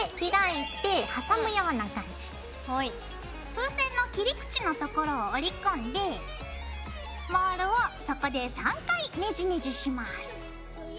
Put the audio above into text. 風船の切り口のところを折り込んでモールをそこで３回ねじねじします。